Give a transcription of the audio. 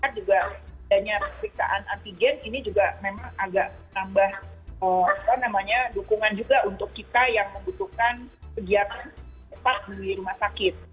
dan dengan adanya persiksaan antigen ini juga memang agak nambah dukungan juga untuk kita yang membutuhkan kegiatan ketat di rumah sakit